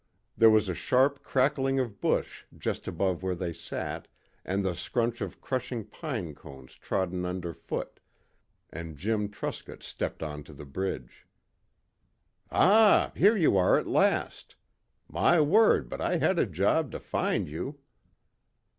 There was a sharp crackling of bush just above where they sat and the scrunch of crushing pine cones trodden under foot, and Jim Truscott stepped on to the bridge. "Ah, here you are at last. My word, but I had a job to find you."